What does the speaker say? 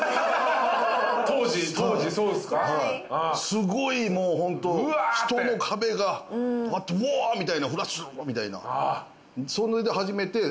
すごいもうホント人の壁がドーみたいなフラッシュババッみたいな。